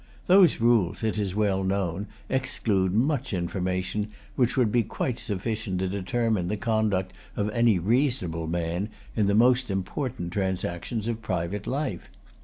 Those rules, it is well known, exclude much information which would be quite sufficient to determine the conduct of any reasonable man, in the most important transactions of private life.